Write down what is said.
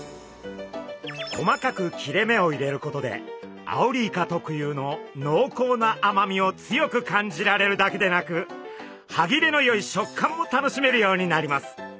細かく切れ目を入れることでアオリイカ特有ののうこうな甘みを強く感じられるだけでなく歯切れのよい食感も楽しめるようになります。